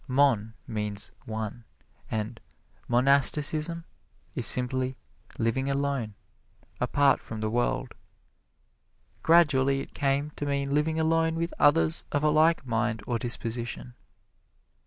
"Mon" means one, and monasticism is simply living alone, apart from the world. Gradually it came to mean living alone with others of a like mind or disposition.